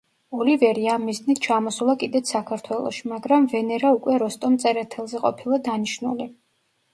ოლივერი ამ მიზნით ჩამოსულა კიდეც საქართველოში, მაგრამ ვენერა უკვე როსტომ წერეთელზე ყოფილა დანიშნული.